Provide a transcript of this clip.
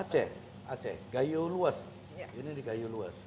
aceh aceh gayo luas ini di gayo luas